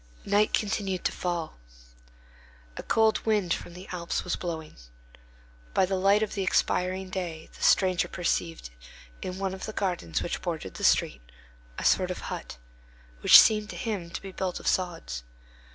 Night continued to fall. A cold wind from the Alps was blowing. By the light of the expiring day the stranger perceived, in one of the gardens which bordered the street, a sort of hut, which seemed to him to be built of sods.